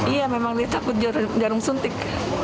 iya memang dia takut jarum suntik